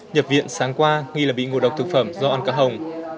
nhập viện sáng qua nghi là bị ngộ độc thực phẩm do ăn cá hồng